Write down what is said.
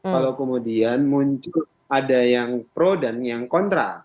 kalau kemudian muncul ada yang pro dan yang kontra